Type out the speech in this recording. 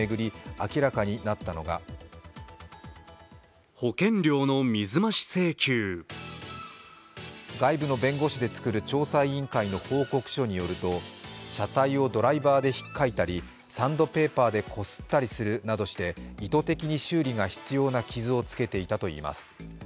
明らかになったのが外部の弁護士で作る調査委員会の報告書によると車体をドライバーでひっかいたりサンドペーパーでこすったりするなどして意図的に修理が必要な傷をつけていたといいます。